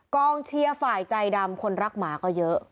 กองเชียร์ฝ่ายใจดำคนรักหมาก็เยอะ